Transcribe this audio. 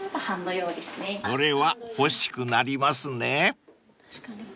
［これは欲しくなりますね］